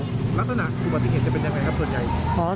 ลักษณะอุบัติเหตุจะเป็นยังไงครับส่วนใหญ่